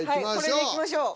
よしこれでいきましょう。